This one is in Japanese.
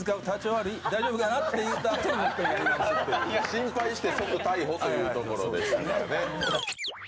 心配して、即逮捕というところでしたね。